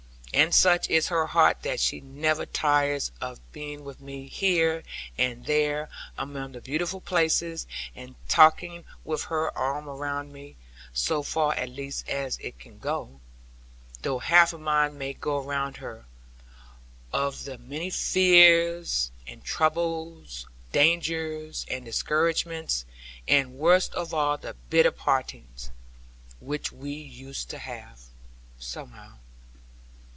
And such is her heart that she never tires of being with me here and there, among the beautiful places, and talking with her arm around me so far at least as it can go, though half of mine may go round her of the many fears and troubles, dangers and discouragements, and worst of all the bitter partings, which we used to have, somehow.